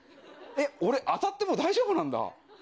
俺、当たっても大丈夫なんだ。